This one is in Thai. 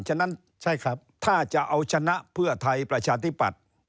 ฉะนั้นใช่ครับถ้าจะเอาชนะเพื่อไทยประชาธิปัตย์